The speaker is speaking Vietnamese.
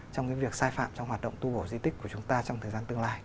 trong cái việc sai phạm trong hoạt động tu bổ di tích của chúng ta trong thời gian tương lai